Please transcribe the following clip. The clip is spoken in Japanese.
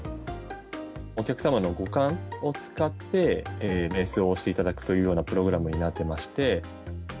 お客様の五感を使って、めい想をしていただくというようなプログラムになってまして。